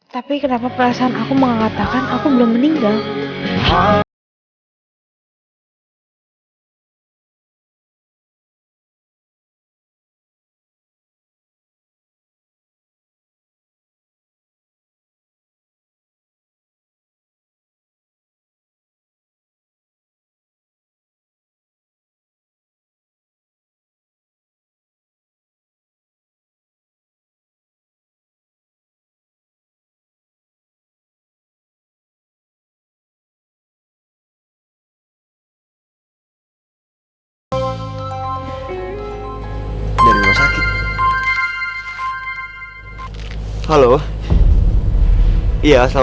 terus kenapa aku ada di dunia lain kayak gini